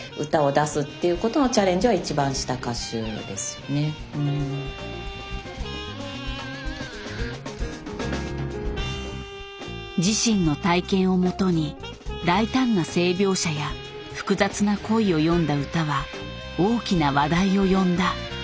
だからこう自身の体験をもとに大胆な性描写や複雑な恋を詠んだ歌は大きな話題を呼んだ。